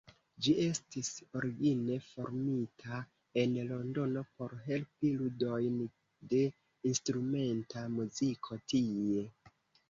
Ĝi estis origine formita en Londono por helpi ludojn de instrumenta muziko tie.